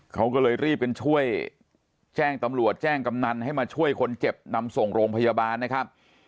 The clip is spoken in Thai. เขาก็เลยรีบกันช่วยแจ้งตำรวจแจ้งกำนันให้มาช่วยคนเจ็บนำส่งโรงพยาบาลนะครับ